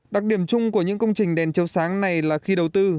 đặc điểm chung của những công trình đèn chiếu sáng này là khi đầu tư